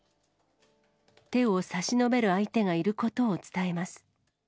手を差し伸べる相手がいることを伝えます。